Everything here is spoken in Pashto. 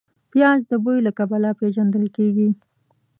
پیاز د بوی له کبله پېژندل کېږي